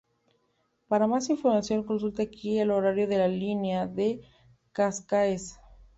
Para más información consulte aquí el horario de la Línea de Cascaes.